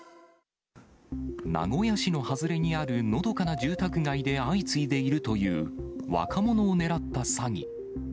名古屋市の外れにある、のどかな住宅街で相次いでいるという若者を狙った詐欺。